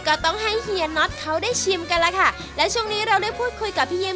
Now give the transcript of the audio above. ก็ต้องให้เฮียน็อตเขาได้ชิมกันแล้วค่ะและช่วงนี้เราได้พูดคุยกับพี่เย็น